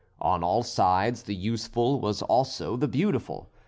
On all sides the useful was also the beautiful.